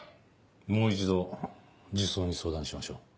もう一度児相に相談しましょう。